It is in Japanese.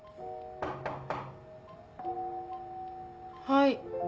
はい。